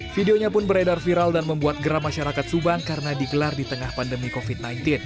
videonya pun beredar viral dan membuat geram masyarakat subang karena digelar di tengah pandemi covid sembilan belas